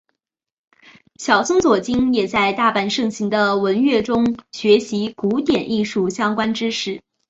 小松左京也在大阪盛行的文乐中学习古典艺术相关知识。